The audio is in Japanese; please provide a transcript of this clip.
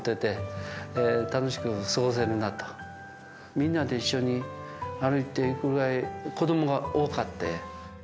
みんなで一緒に歩いていくぐらい子どもが多かって。